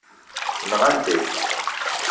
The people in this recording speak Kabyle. Nɣant-ak-t.